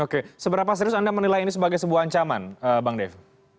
oke seberapa serius anda menilai ini sebagai sebuah ancaman bang dev